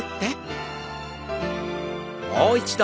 もう一度。